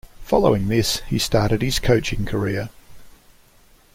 Following this, he started his coaching career.